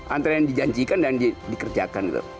antara yang dijanjikan dan dikerjakan